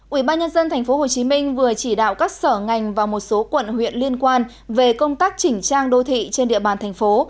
ủy ban nhân dân tp hcm vừa chỉ đạo các sở ngành và một số quận huyện liên quan về công tác chỉnh trang đô thị trên địa bàn thành phố